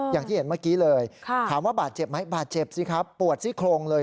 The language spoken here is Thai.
อย่างที่เห็นเมื่อกี้เลยถามว่าบาดเจ็บไหมบาดเจ็บสิครับปวดซี่โครงเลย